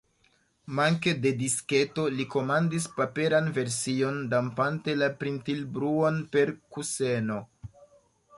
Manke de disketo, li komandis paperan version, dampante la printil-bruon per kuseno.